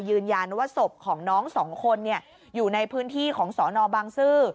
ยืนยันว่าศพของน้องสองคนอยู่ในพื้นที่ของสนบางซื่อ